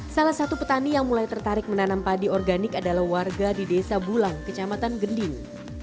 salah satu petani yang mulai tertarik menanam padi organik adalah warga di desa bulang kecamatan gending